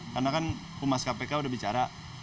karena kan pumas kpk udah bicara